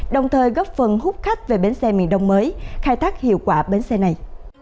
đồng thời góp phần hút khách về bến xe miền đông mới khai thác hiệu quả bến xe này